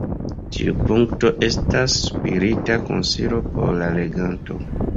Ĉiu punkto estas spirita konsilo por la leganto.